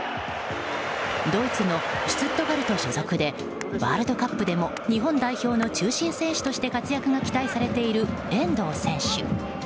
ドイツのシュツットガルト所属でワールドカップでも日本代表の中心選手として活躍が期待されている遠藤選手。